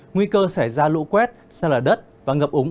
nguy cơ xảy ra lũ quét sần lửa đất và ngập úng